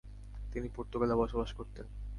তিনি পর্তুগালে বসবাস করতেন।